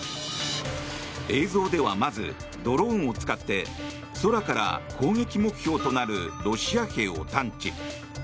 映像ではまず、ドローンを使って空から攻撃目標となるロシア兵を探知。